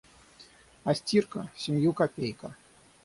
А стирка — в семью копейка.